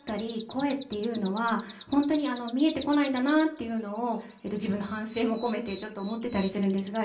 声っていうのは本当に見えてこないんだなっていうのを自分の反省も込めてちょっと思ってたりするんですが。